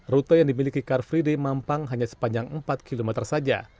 rute yang dimiliki car free day mampang hanya sepanjang empat km saja